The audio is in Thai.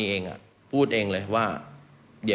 ฟังเสียงอาสามูลละนิทีสยามร่วมใจ